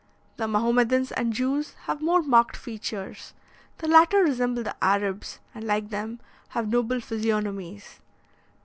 The Mahomedans and Jews have more marked features; the latter resemble the Arabs, and, like them, have noble physiognomies.